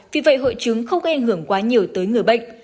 vì vậy hội chứng không gây ảnh hưởng quá nhiều tới người bệnh